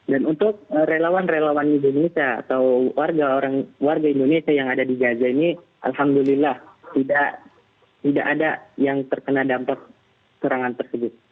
dan untuk relawan relawan indonesia atau warga indonesia yang ada di gaza ini alhamdulillah tidak ada yang terkena dampak serangan tersebut